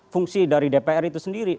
fungsi dari dpr itu sendiri